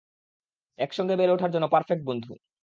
একসঙ্গে বেড়ে ওঠার জন্য পারফেক্ট বন্ধু।